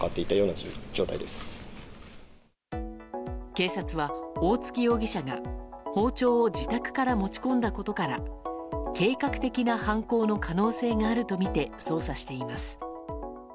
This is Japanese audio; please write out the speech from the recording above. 警察は大槻容疑者が包丁を自宅から持ち込んだことから計画的な犯行の可能性があるとみて、捜査しています。